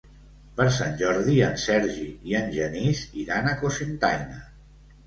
Per Sant Jordi en Sergi i en Genís iran a Cocentaina.